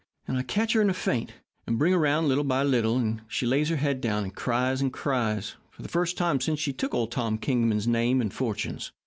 and I catch her in a faint, and bring her 'round little by little, and she lays her head down and cries and cries for the first time since she took Tom Kingman's name and fortunes.